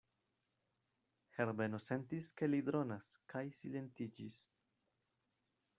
Herbeno sentis, ke li dronas, kaj silentiĝis.